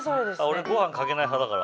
俺ご飯かけない派だから。